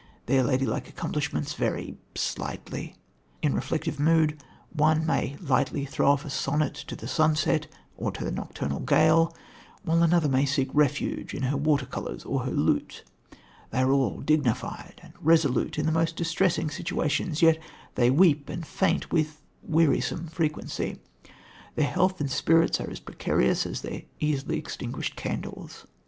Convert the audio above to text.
Their lady like accomplishments vary slightly. In reflective mood one may lightly throw off a sonnet to the sunset or to the nocturnal gale, while another may seek refuge in her water colours or her lute. They are all dignified and resolute in the most distressing situations, yet they weep and faint with wearisome frequency. Their health and spirits are as precarious as their easily extinguished candles.